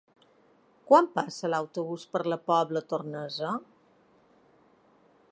Quan passa l'autobús per la Pobla Tornesa?